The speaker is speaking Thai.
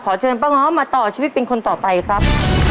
เชิญป้าง้อมาต่อชีวิตเป็นคนต่อไปครับ